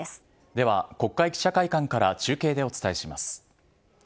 では、国会記者会館から中継でお伝えします。